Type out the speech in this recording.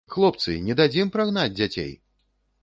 Хлопцы, не дадзім прагнаць дзяцей?